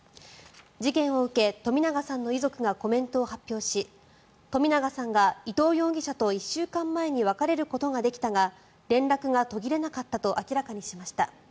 事件を受け、冨永さんの遺族がコメントを発表し冨永さんが、伊藤容疑者と１週間前に別れることができたが連絡が途切れなかったと明らかにしました。